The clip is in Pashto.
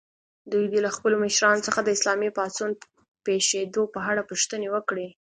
دوی دې له خپلو مشرانو څخه د اسلامي پاڅون پېښېدو په اړه پوښتنې وکړي.